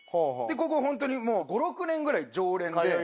ここホントにもう５６年ぐらい常連で。